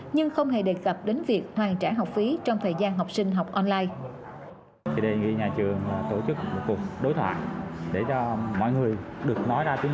nhưng không hề đề cập đến việc hoàn trả học phí trong thời gian học sinh học online